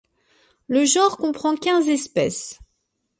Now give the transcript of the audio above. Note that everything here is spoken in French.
Le genre comprend quinze espèces.